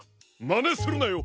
まねするなよ！